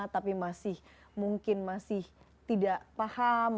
tapi masih mungkin masih tidak paham